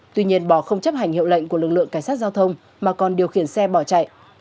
tuy nhiên bỏ không chấp hành hiệu lệnh của lực lượng cảnh sát giao thông mà còn điều khiển xe bỏ chạy